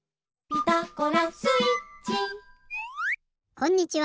こんにちは。